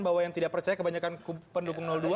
bahwa yang tidak percaya kebanyakan pendukung dua